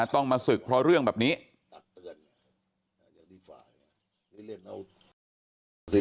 ต้องมาศึกเพราะเรื่องแบบนี้